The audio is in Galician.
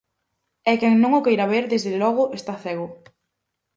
E quen non o queira ver, desde logo, está cego.